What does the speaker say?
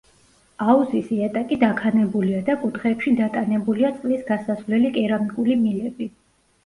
აუზის იატაკი დაქანებულია და კუთხეებში დატანებულია წყლის გასასვლელი კერამიკული მილები.